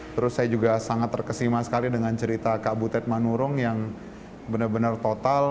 terus saya juga sangat terkesima sekali dengan cerita kak butet manurung yang benar benar total